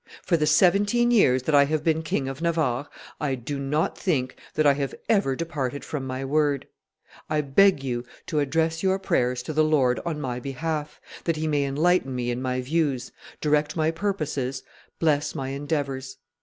For the seventeen years that I have been King of Navarre, I do not think that I have ever departed from my word. I beg you to address your prayers to the Lord on my behalf, that He may enlighten me in my views, direct my purposes, bless my endeavors.